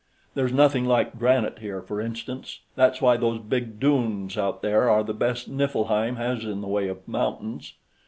There's nothing like granite here, for instance. That's why those big dunes, out there, are the best Niflheim has in the way of mountains.